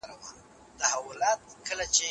ماشومانو ته د نوي کال د پیل مبارکي ورکړئ.